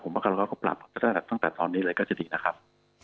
ผมว่าการร้อยก็ปรับไปตั้งแต่ตอนนี้เลยก็จะดีนะครับ